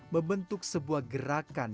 membentuk sebuah gerakan